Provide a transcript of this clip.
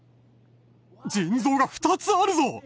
腎臓が２つあるぞ！